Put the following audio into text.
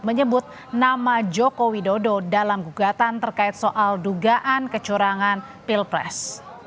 menyebut nama joko widodo dalam gugatan terkait soal dugaan kecurangan pilpres